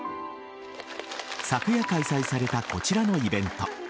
昨夜、開催されたこちらのイベント。